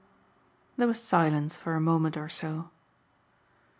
There was silence for a moment or so.